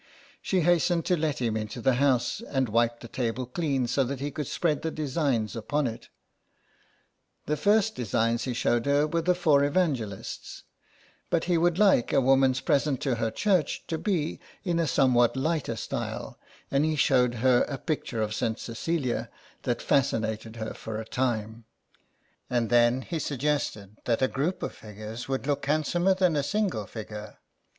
She hastened to let him into the house, and wiped the table clean so that he could spread the designs upon it. The first designs he showed her were the four Evangelists, but he would like a woman's present to her church to be in a somewhat lighter style, and he showed her a picture of St. Cecilia that fascinated her for a time ; and then he suggested that a group of figures would look handsomer than a single figure.